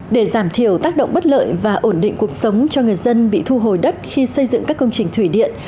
để giảm thiểu tác động bất lợi và ổn định cuộc sống cho người dân bị thu hồi đất khi xây dựng các công trình thủy điện